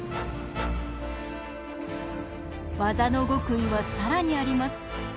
技の極意は更にあります。